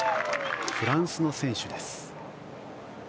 フランスの選手です。